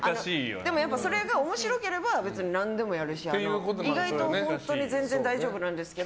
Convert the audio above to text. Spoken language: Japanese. それが面白ければ別に何でもやるし意外と本当に全然大丈夫なんですけど。